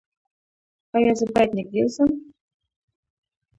ایا زه باید نږدې اوسم؟